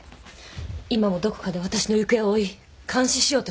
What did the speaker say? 今もどこかで私の行方を追い監視しようとしているはず。